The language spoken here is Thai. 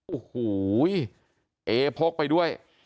โอ้โหเอพกไปด้วย